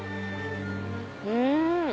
うん。